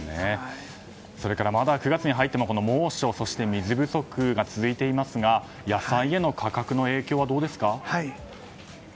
それからまだ、９月に入っても猛暑、そして水不足が続いていますが野菜の価格への影響はどうですか？